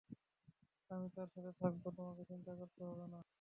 আমি তার সাথে থাকবো, তোমাকে চিন্তা করতে হবে না।